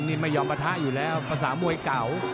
นี่ไม่ยอมปะทะอยู่แล้วภาษามวยเก่า